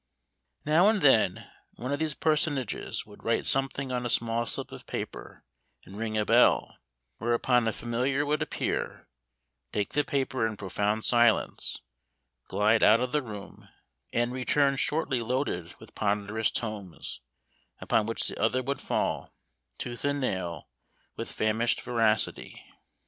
Now and then one of these personages would write something on a small slip of paper, and ring a bell, whereupon a familiar would appear, take the paper in profound silence, glide out of the room, and return shortly loaded with ponderous tomes, upon which the other would fall, tooth and nail, with famished voracity.